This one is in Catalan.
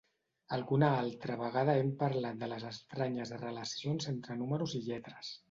Alguna altra vegada hem parlat de les estranyes relacions entre números i lletres.